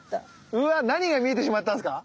うわ何が見えてしまったんですか？